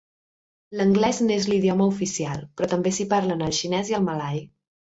L'anglès n'és l'idioma oficial, però també s'hi parlen el xinès i el malai.